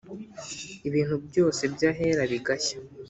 Ibintu byose by ahera bigashya